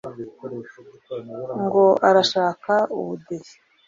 ngo arashaka ubudehe